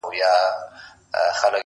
هر فکر د عمل پیل کېدای شي